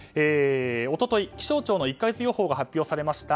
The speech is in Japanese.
一昨日、気象庁の１か月予報が発表されました。